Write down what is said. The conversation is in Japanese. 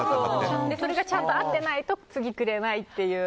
それがちゃんと合ってないと次くれないっていう。